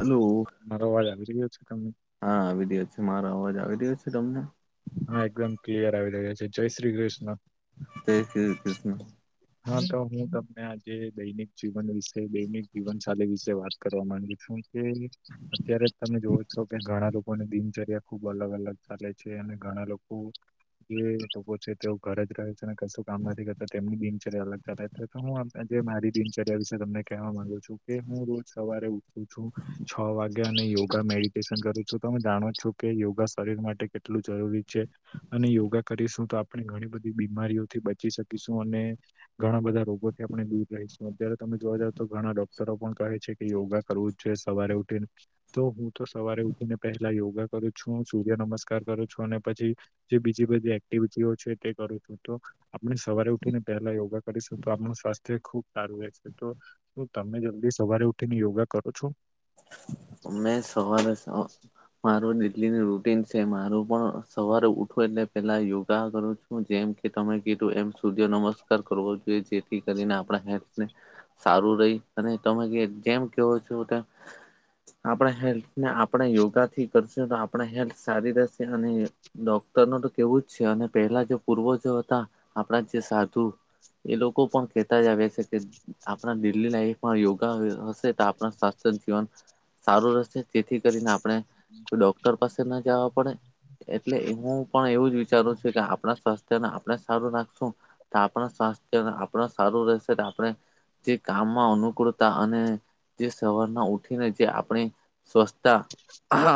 Hello મારો અવાજ આવી રહ્યો છે તમને? હા વિડી મારો અવાજ આવી રહ્યો છે તમને હા એકદમ ક્લિયર આવી રહ્યા છે જય શ્રી કૃષ્ણ જય શ્રી કૃષ્ણ હા તો હું તમને આજે દૈનિક જીવન વિશે દૈનિક જીવનશાલી વિશે વાત કરવા માંગુ છું કે અત્યારે જ તમે જોવો છો કે ઘણા લોકોને દિનચર્યા ખુબ અલગ અલગ ચાલે છે અને ઘણા લોકો જે લોકો છે તેઓ ઘરે જ રહે છે અને કશું કામ નથી કરતા તેમની દિનચરીયા અલગ ચાલે હ મારી દિનચર્યા વિશે તમને કહેવા માંગુ છું કે હું રોજ સવારે ઉઠું છું છ વાગ્યા અને યોગા મેડિટેશન કરું છું તમે જાણો છો કે યોગા શરીર માટે કેટલું જરૂરી છે અને યોગા કરીશું તો આપણે ઘણી બધી બીમારીઓથી બચી શકીશું અને ઘણા બધા રોગો આપણે દૂર રહીશું અત્યારે તમે જોવા જાવ તો ઘણા ડોક્ટરો પણ કહે છે કે યોગા કરવું જ જોઈએ સવારે ઉઠીને તો હું તો સવારે ઉઠી ને પેલા યોગા કરું છું સૂર્ય નમસ્કાર કરું છું અને પછી જે બીજી બધી એક્ટિવિટી છે તે કરું છું તો આપણે સવારે ઉઠીને પહેલા યોગા કરીશું તો આપણું સ્વાસ્થ્ય ખુબ સારું રહેશે તો શું તમે જલ્દી સવારે ઉઠીને યોગા કરો છો [inaudible] મેં સવારે મારું દ પ રૂટીન છે મારું પણ સવારે ઉઠું એટલે પેલા યોગા કરું છું જેમ કે તમે એમ સૂર્ય નમસ્કાર કરવો જોઈએ જેથી કરીને આપણાે સારું રહી અને તમે જે જેમ કેહો છો તેમ આપણા હેલ્થને આપણે યોગાથી કરશે તો આપણા હેલ્થ સારી રહેશે અને ડોકટર તો કેવું જ છે અને પહેલા જે પૂર્વજ હતા આપણા જે સાધુ એ લોકો પણ કહેતા જ આવે છે કે આપણા ડેલી લાઈફમાં યોગા હશે તો આપણા સ્થ જીવન સારું રહેશે જેથી કરીને આપણે કોઈ ડોક્ટર પાસે ના જવા પડે એટલે હું પણ એવું જ વિચારું છું કે આપણા સ્વાસ્થ્યને આપણે સારું રાખશું તો આપણા આપણ સારું રહેશે આપણે જે કામમાં અનુકૂળતા અને જે સવારના ઉઠીને જે આપણી સ્વચ્છતા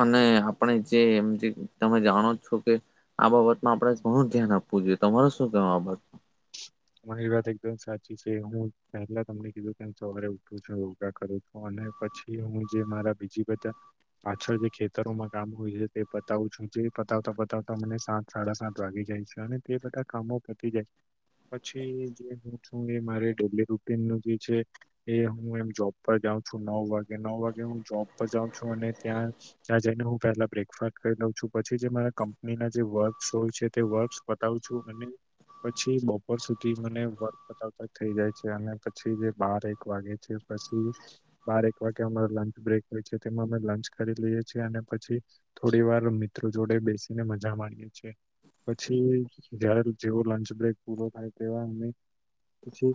અને આપણે જે એમ જે તમે જાણો છો કે આ બાબતમાં આપણે ઘણું ધ્યાન આપવું જોઈએ તમારે શું કે આ બાતમાં મારી વાત એકદમ સાચી છે હું પહેલા તમને કીધું કે સવારે ઉઠું છું યોગા કરું છું અને મેં પછી હું જે મારા બીજી બધા પાછળ જે ખેતરોમાં કામ હોય છે તે બતાવું છું જે પતાવતા પતાવતા મને સાત સાડા સાત વાગે જાય છે અને તે બધા કામો પતી જાય છે પછી જે હું છું એ મા ડેલી રૂટીન નું જે છે એ હું એમ જોબ પર જાઉં છું નવ વાગે નવ વાગે હું જોબ પર જઉં છું અને ત્યાં ત્યાં જઈને હું પેલા બ્રેકફાસ્ટ કરી દઉં છું પછી જે મારા કંપનીના જે વર્કસ હોય છે તે વર્કસ બતાવું છું અને પછી બો બપોર સુધી મને વર્ગ પતાતા થઈ જાય છે અને પછી જે બાર એક વાગે છે પછી બારક વાગે અમા લંચ બ્રેક હોય છે તેમાં અમે લંચ કરી લઈએ છીએ અને પછી થોડી વાર મી મ્ર જોડે બેસીને મજા માણીએ છીએ પછી જારે જેવો લંચ બ્રેક પૂરો થાય તેવા અમે પછી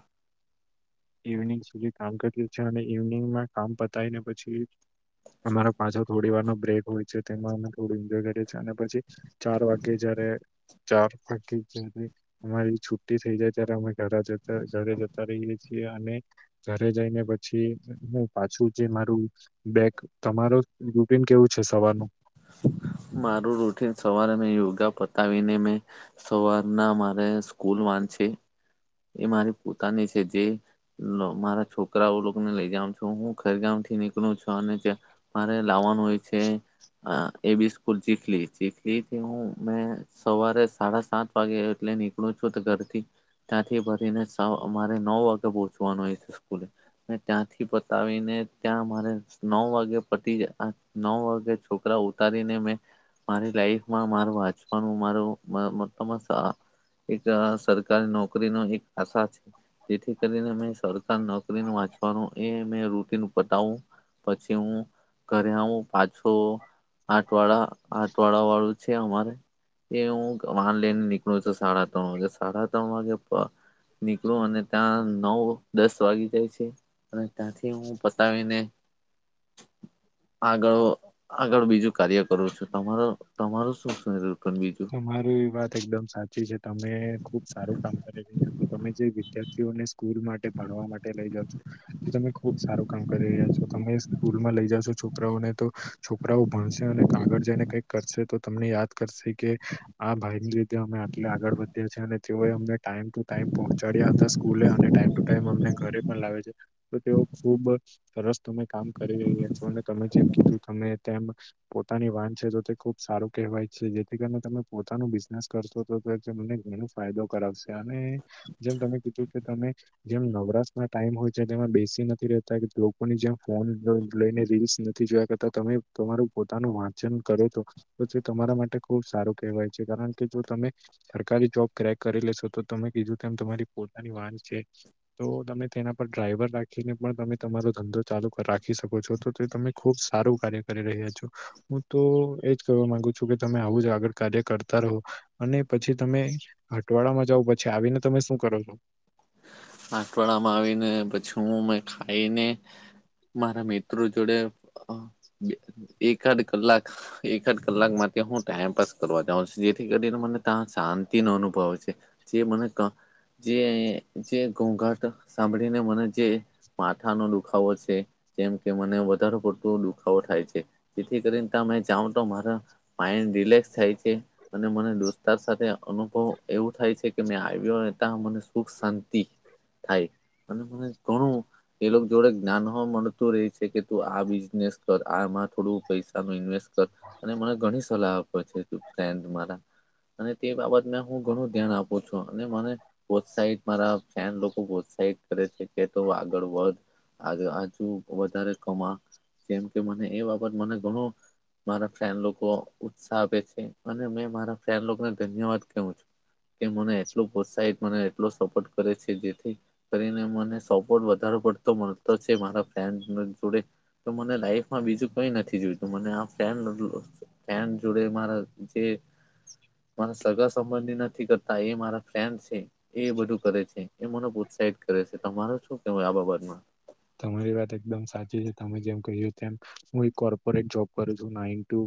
ઇવનિંગ સુધી કામ કરએ છે અને ઇવનિંગમાં કામ પતાયને પછી અમારો પાછો થોડી વાર નો બ્રેક હોય છે તેમાં અમે થોડું એન્જોય કરીએ છીએ અને પછી ચાર વાગ્યે જ બે ચાર પટીીમારી છુ્ટી થઈ જાય ત્યારે અમે ઘરે જતા ઘરે જતા રહીએ છીએ અને ઘરે જઈને પછી હ પાછું જે મારું બેગ તમારો રુટીન કેવું છે સવારનું મારું રૂટીન સવારે મેં યોગા પતાવીને મેં સવારના મારે સ્કૂલ વાચી એ મારી પોતાની છે જે મારા છોકરાઓ લોકોને લઈ જમ છું હું ખ ગ છ થી નીકળું છુ અને મારે લાવવાનું હોય છે એ બી સ્કૂલ ચીખલી ચીખલી થી હું મે સવારે સાડા સાત વાગે મેં નીકળું છું તો ઘરથી ત્યાંથી ભરીને મારે નવ વાગે પહોંચવાનું હો છે સ્કૂલે મે ત્યાંથી પતાવીને ત્યાં મારે નવ વાગે પતી જાય નવ વાગે છોકરા ઉતારીને મેં મારી લાઈફમાં મારું વાચવાનુ મારું વાતાવરણ સારા એક અ સરકારી નોકરી થી કરીને એક અસચ ઇતિ કરીને સરકાર વાચવાનુ એ એ રૂટીન પતાવું પછી હું ઘરે આવું પાછો આઠવાળા આઠવાળા વાળું છે અમારે એ હું વાહન લઈને નીકળું છું સાડા ત્રણ વાગે સાડા ત્રણ વાગે નીકળું અને ત્યાં નવ દસ વાગી જાય છે અને ત્યાંથી હું પતાવીને [inaudible] આગળ આગળ બીજું કાર્ય કરું છ તમારો તમારું શું થઈ રૈયુ તમાર વાત એકદમ સાચી છે તમે ખુબ સારું કામ કરી રૈયા તો તમે જે વિદ્યાર્થીઓને સ્કૂલ માટે ભણવા માટે લઈ જા છો તો તમે ખુબ સારું કામ કરી રહ્યા છો તો તમે સ્કૂલમાં લઈ જશો છોકરાઓને તો છોકરાઓ ભણશે અને આગળ જઈને કઈક કરશે તો તમે મેં યાદ કરશેકી કે આ ભાઈ ની રીધ અમે આટલી આગળ વધ્યા છે અને તેઓ અમને ટાઈમ ટુ ટાઈમ પહોંચાડ્યા હતા સ્કૂલે અને ટાઈમ ટુ ટાઈમ અમને ઘરે પણ લાવે છે તો તેઓ ખુબ સરસ તમે કામ કરી રૈયે તમે જેમ કીધું તમે તેમ પોતાની વાન છે તો તે ખુબ સારું કહેવાય છે ને. તમે પોતાનું બિઝનેસ કરશો તો તમને ઘણ ફાયદો કરાવશે અને જેમ તમે ત જેમ નવરાશ ના ટાઈમ હોય છે તેમાં બેસી નથી રેતા લોકોની જેમ ફોન અ લઈને રીલ્સ નથી જોયા કરતા તમે તમારું પોતાનું વાંચન કરો તો પછી તમારા માટે ખુબ સારું કહેવાય છે કારણ કે જો તમે સરકારી જોબ ક્રેક કરી લેશો તો તમે કીધું તેમ તમારી પોતાની વાહન છે તો તમે તેના પર ડ્રાઈવર રાખીને પણ તમે તમારો ધંધો ચાલુ રાખી શ તમે ખુબ સારું કાર્ય કરી રહ્યા છો હું તો એજ ક માંગુ છું કે. તમે આવું જ આગળ કાર્ય કરતા રહો અને પછી તમે હટવાડામાં જઓ પછી આવીને તમે શું? કરવો. આઠવાડામાં આવીને પછી હું ખાઈને મારા મિત્રો જોડે. એકાદ કલાક એકાદ કલાક માટે હું ટાઈમપાસ કરવા જેથી કરીને મને ત શાંતિ નો અનુભવે છે જે મને જે જે ઘોઘાટ સાંભળીને મને જે માથાનો દુખાવો છે જેમ કે મને પટો દુખાવો થાય છે જેથી કરીને કામે જાવ તો મારા માઇન્ડ રિલેક્સ થાય છે. અને મને દોસ્તાર સાથે અનુભવ એવું થાય છે કે મેં આવ્યો ત મને સુખ શાંતિ થાય અને મને ઘણું. એ લોકો જોડે જ્ઞાન મળતું રહેે છે કે તું આ બિઝનેસ કર આમાં થોડું પૈસા ન ઇન્વેસ્ટ અને મને ઘણી સલાહ આપે છે ફન્ડ મારા અને તે બાબત હું ઘણું ધ્યાન આપું છું અને મને પોત્સહિત મારા ન લોકો પ્રોત્સાહિત કરે છે કે તું આગળ વધ આજુ વધારે કમા જેમ કે મને એ બાબત મને ઘણું મારા ફ્રેન્ડ ઉત્સાહ આપે છે અને મે મારા ફ્રેન્ડ લોકો ને ધન્યવાદ કું છું. કે મને એટલું પ્રોત્સાહિત મને એટલો સપોર્ટ કરે છે જેથી કરીને મને સપોર્ટ વધો પડતો મળતો છે મારા ફેડ જોડે. તો મને લાઈફમાં બીજું કઈ નથી જોયતું મને આ ફ્રેન્ડ જોડે મારા જે મારા સગા સંબંધી નથી કરતા એ મારા ફ્રેન્ડ કરે છે એ બધું કરે છે. એ મને ઉત્સાહિત કરે છે તમારે શું કેવું આ બાબતમાં? તમારી વાત એકદમ સાચી છે તમે જેમ કહી તેમ હું એક કોર્પોરેટ જોબ કરું છું નાન ટુ.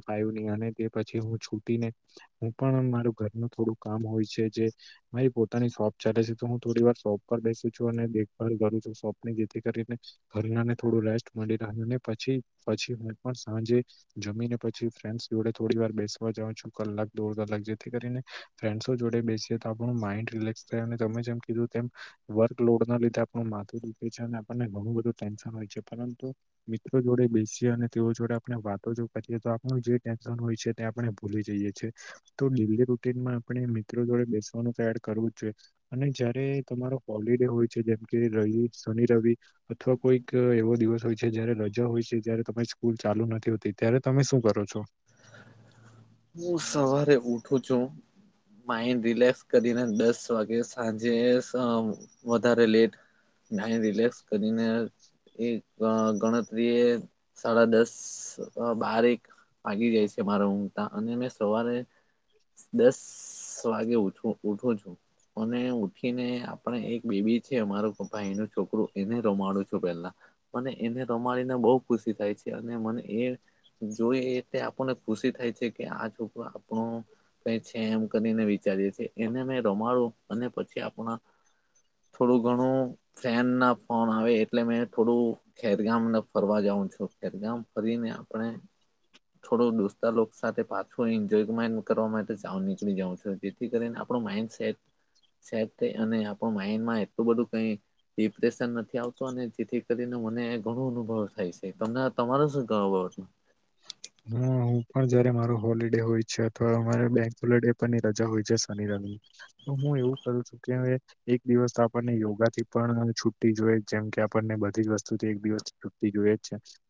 અને તે પછી હું છૂટીને હું પણ મારું ઘરનું થોડું કામ હોય છે જે મારી પોતાની શોપ ચાલે છે તો હું થોડી વાર શોપ પર બેસું છું અને દેખભાલ કરું છું શોપ ની જેથી કરીને હરણાને થોડું રેસ્ટ મળી રહ્યુંને પછી પછી હું પણ સાંજે જમીને પછી ફ્રેન્ડ જોડે થોડી વાર બેસવા જાવું છું કલાક દોઢ કલાક જેથી કરીને ફ્રેન્ડો જોડે બેસીએ તો આપ માઈન્ડ રિલેક્સ થાય અને તમે જેમ કીધું વર્ક લોડના લીધે આપડું માથું દુઃખે છે અને આપણે ગણુબધુ ટેન્શન હોય છે પરંતુ મિત્રો જોડે બેસીએ અને તેઓ જોડે આપણે વાતો જો કરીએ તો આપ જે ટેન્શન હોઈ છે તે આપણે ભૂલી જઇ એ છીએ તો ડેલી રૂટિન માં આપને મિત્રો જોડે બેસવાનું સારે કરવું જોઈએ અને જયારે તમારો હોલિડે હોય છે જેમ કે રવિ શનિ રવિ અથવા કોઈક એવો દિવસ હોય છે જયારે રજા હોય છે ત્યારે તમારી સ્કૂલ ચાલુ નથી હોતી ત્યારે તમે શું કરો? છો. જો. માઇન્ડ રિલેક્સ કરીને દસ વાગે સાંજે વધારે લેટ ના રિલેક્સ કરીને. એક ગણતરી એ સાડા દસ બારીક આગી જાય છે મારા ઊંઘતા અને મેં સવારે દસ વાગે ઉઠું છું. અને ઉઠીને આપણે એક બેબી છે અમારું ભાઈ એનું છોકરું એને રમાડું છું પેલા. અને એને રમાડી બહુ ખુશી થાય છે અને મને એ જોઈ અને આપણને ખુશી થાય છે કે આ છોકરું આપણું કેછે એમ કરીને વિચારીએ છીએ એને મે રમાડું અને પછી આપણા. થોડું ઘણું ફ્રેન્ડ ના ફોન આવે એટલે મે થોડું ખેરગામ ફરવા જાવ. છદામ ફરીને આપણે થોડો દોસ્તા લોકો સાથે પાછો એન્જોયમેન્ટ કરવા માટે નીકળી જાઉં છુ જેથી કરીને આપ માઈન્ડ સેટ આપ માઈન્ડમાં એટલું બધું કઈ ડિપ્રેશન નથી આવતું અને જેથી કરીને મને ઘણો અનુભવ થાય છે તમને તમારો શું ગત નો ઑડીયો હું પણ જયારે માર હોલિડે હોય છે અથવા અમારે બેંક પણ ની રજા હોય છે શનિરાવી હું એવું કરું છું કે એક દિવસ તો આપણને યોગા થી પણ છુ્ટી જોઈ જેમ આપણને બધી જ વસ્તુથી એક દિવસ છુતી જોઈ જ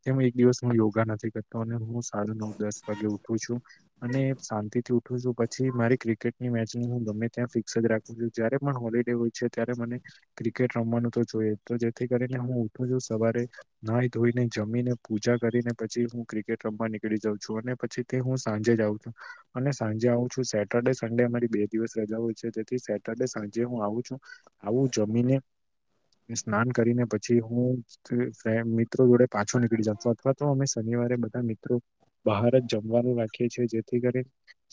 છે એમ એક દિવસ હુ યોગા નથી કરતો ને હું સાડા નવ દસ વાગે ઉઠું છું અને શાંતિ થી ઉઠું છું પછી મારી ક્રિકેટની મેચ હું અમે ત્યાં ફિક્સ જ રાખું છે જયારે પણ હોલિડે હોય છે ત્યારે મને ક્રિકેટ રમવાનું તો જોઈએ તો જેથી હું ઉઠું છું સવારે નઈ ધોઈને જમીને પૂજા કરીને પછી હું ક્રિકેટ રમવા નીકળ જઉ છું અને પછી તે હું સાંજે જ આવું છું અને સાંજે આવ છું, સેટરડે સંડે અમારી બે દિવસ રજા તેથી સેટરડે સાંજે હું આવું છું આવું જમીને સ્નાન કરીને પછી હું ફ્રેન મિત્રો જોડે પાછો નીકળી જતો અથવા તો અમે શન વારે બધા મિત્રો બહાર જ જમવાનું રાખીએ છેએ જેથી કરી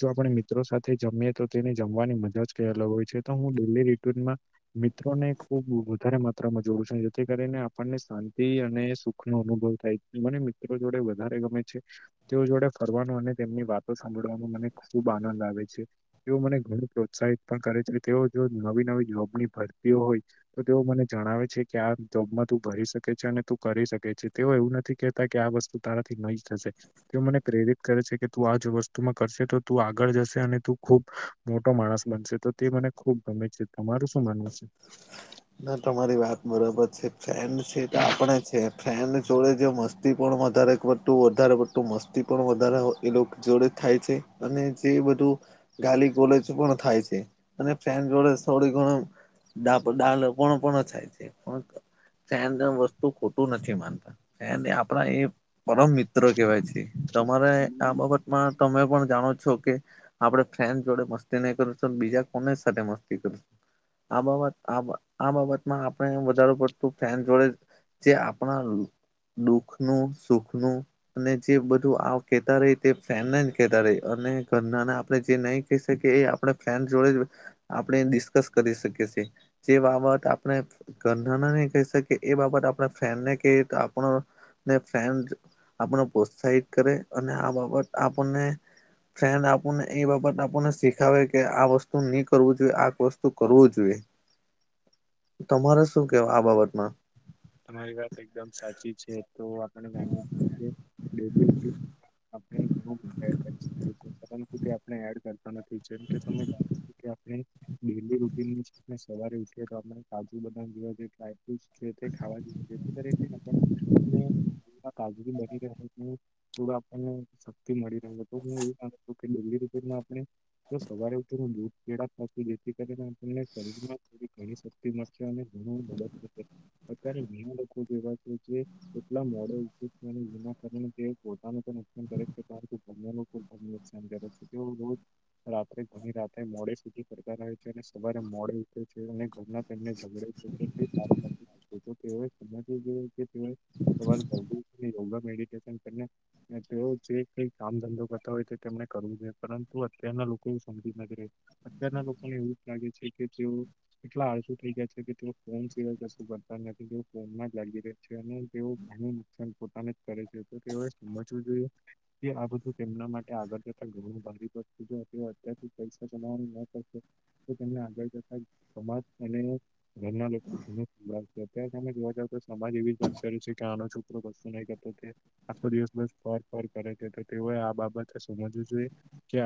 જો આપણે મિત્રો સાથે જમીએ તો તેને જમવાની મજા જ કલ હોય છે તો હું ડેલી રમાં મિત્રોને ખૂબ વધારે માત્રામાં જોવું છેું, જેથી કરીને આપણને શાંતિ અને સુખનો અનુભવ થાય મને મિત્રો જોડે વધારે ગમે છે. તેઓ જોડે ફરવાનું અને તેમની વાતો સાંભળવાનો મને ખુબ આનંદ આવે છે તેવ મને ઘણું પ્રસા સાહિત કરે છે તેઓ જો નવી નવી જોબની ભરતીઓ હોય તો તેઓ મને જણાવે છે કે આ જોબમાં તુ ભરી શકે છે અને તું કરી શકે છે તેઓ એવું નથી કેહેતા કે આ વસ્તુ તારાથી નહી જશે તે મને પ્રેરિત કરે છે કે તું આજ વસ્તુમાં કરશે તો તું આગળ જશે અને તું ખુબ મોટો માણસ બનશે તો તે મને ખુબ ગમે છે, તમારું શું માનવું છે? ના તમારી વાત બરાબર છે ફેન છે તો આપણે છે ફન જોડે જો મસ્તી પણ વધારે વતું વધારે પતું મસ્તી પણ વધારે એ લોકો જોડે થાય છે અને જે બધું ગાલી ગલેજ પણ થાય છે અને ફ્રેન્ડ જોડે થોડી ઘણા ડાલ પણણ પણ થાય છે કોણ તો વસ્તુ ખોટું નથી માનતા આપણા એ પરમ મિત્ર કેહેવાય છે તમારે આ બાબતમાં તમે પણ જાણો છો કે આપડણે ફ્રેન જોડે મસ્તી નહી કર છું બીજા કોને સાથે મસ્તી કરશું આ બાબત આ આ બાબતમાં આપણે વધારે પડતું ફન જોડે જે આપણા દુખનું સુખનું અને જે બધું આવ કેતા રે તે ફેન કેતા ર ઘરના આપણે જે નહી કહી શકીએ એ આપ ફન્ડ જોડે આપણે ડિસ્કસ કરી શકીએ છે. જે બાબત આપણે ઘરના નહી કહી શકીએ એ બાબત આપણે ફ્રેન્ડને કઇ આપણો ને ફ્રેન્ડ આપણ પ્રોત્સાહિત કરે અને આ બાબત આપણને ફ્રેન્ડ આપણને એ બાબત આપણને શીખાવે કે આ વસ્તુ નઈ કરવું જોઈએ આ વસ્તુ કરવું જોઈએ. તમારે શું કેવા આ બાબતમાં તમારી વાત એકદમ સાચી છે તો આપણે મા કે ડલી આપણે ઘણુંડ કરી શકી પરંતુ, તે આપણે એડ કરતો નથી. છે કે તમને. [unintelligible] ડલી રૂટીન સવારે ઉઠીએ તો આપ કાજુ બનામ જેવા જે ટ્રાય ફ્રટ છે ખાવા જોઈએ જેથી કરીને આપને કાજરી બની રહે થોડું આપણને શક્તિ મળી રહે તો હું એવું મા છું [unintelligible] રમાં આપણે તો સવારે ઉઠી દૂધ પે થશ જેથી કરીનેને શરીરમાં થો ઘણી શક્તિ મળશે અને ઘણ મદદ થ અત્યારે ઘણા લોકો જેવા છે જે એટલા મોડે જેના [unintelligible] કારણે પોતા [unintelligible] રાત્રે ઘણી રાત્ર મો [unintelligible] [unintelligible] કર છે. સવારે મોડ રીતેર તેમડ છે સારું થ [unintelligible] યોગા મે [unintelligible] [inaudible] કામ ધંધો કરતા હોય તો તેમને કરવું જોઈએ, પરંતુ અત્યારના લોકો એવું સમજી નથી અત્યારના લોકોને એવું મને લાગે છે કે તે એટલા આળસુ થઈ ગયા છે, કે [unintelligible] ફોન તેઓ ફોન માં જ જ લાગી રહે છે અને તેઓ ઘણું નુકસાન પોતાને જ કરે છે તો તેઓ સમજવું આ બધું તેમના માટે આગળ જતા ઘણું વસ્તુ અત્યાર પૈસા જમાવાનું આગળ જતા સમાજ અને ઘરના લોકો ઘણ સમાજ અત્યારે તમે જોવા જાવ તો સમાજ એવી જ વાત કર્યો છે કે આનો છોકરો કશુ નહી કરતો કે આખો દિવસ બસ ફોન કરે છે તો તેઓએ આ બાબતે સમજવું જોઈએ કે